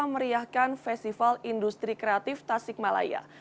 meriahkan festival industri kreatif tasik malaya